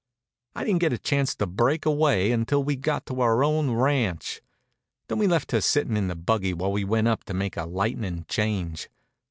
I didn't get a chance to break away until we got to our own ranch. Then we left her sitting in the buggy while we went up to make a lightnin' change.